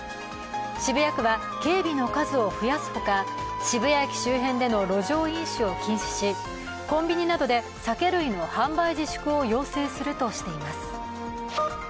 渋谷区は警備の数を増やすほか、渋谷駅周辺での路上飲酒を禁止しコンビニなどで酒類の販売自粛を要請するとしています。